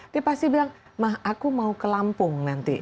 dia pasti bilang mah aku mau ke lampung nanti